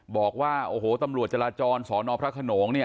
บอกว่าโอ้โหตำรวจจราจรสอนอพระขนงเนี่ย